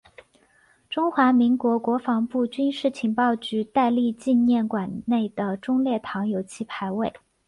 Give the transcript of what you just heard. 中华民国国防部军事情报局戴笠纪念馆内的忠烈堂有其牌位。